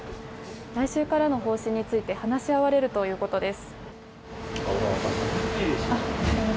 来週からの方針について話し合われるということです。